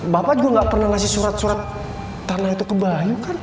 bapak juga gak pernah ngasih surat surat tanah itu ke bayu kan